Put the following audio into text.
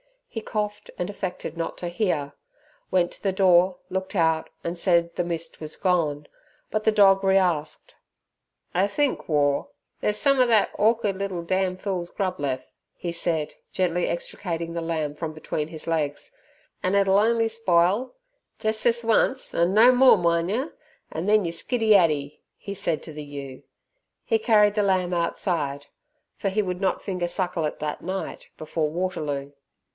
He coughed and affected not to hear, went to the door, looked out and said the mist was gone, but the dog re asked. "I think, War, there's some er that orker'd little dam' fool's grub lef'," he said, gently extricating the lamb from between his legs, "an' it'll on'y spile. Jes' this once 'an no more, min' yer, an' then you skiddy addy," he said to the ewe. He carried the lamb outside, for he would not finger suckle it that night before Waterloo.